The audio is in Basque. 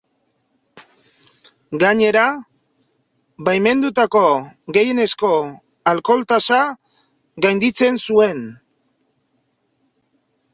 Gainera, baimendutako gehienezko alkohol-tasa gainditzen zuen.